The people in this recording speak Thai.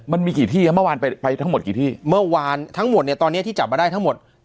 มันมีกี่ที่ครับเมื่อวานไปไปทั้งหมดกี่ที่เมื่อวานทั้งหมดเนี่ยตอนเนี้ยที่จับมาได้ทั้งหมด